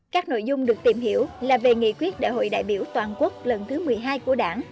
các nội dung được tìm hiểu là về nghị quyết đại hội đại biểu toàn quốc lần thứ một mươi hai của đảng